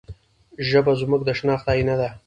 ژبه زموږ د شناخت آینه ده.